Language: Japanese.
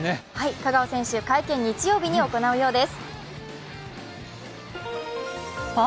香川選手、会見、日曜日に行うようです。